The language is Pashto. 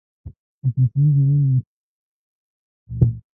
د فلسطیني ځوانانو مخونه هم په بامونو کې ښکارېدل.